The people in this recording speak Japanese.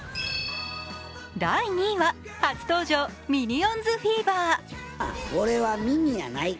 第２位は初登場、「ミニオンズフィーバー」。